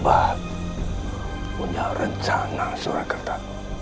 abah punya rencana surakarta